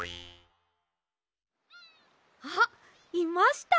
あっいました！